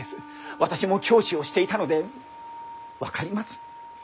私も教師をしていたので分かります。